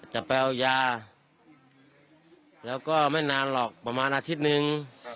จะเอายาแล้วก็ไม่นานหรอกประมาณอาทิตย์นึง